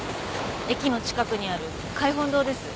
駅の近くにある開本堂です。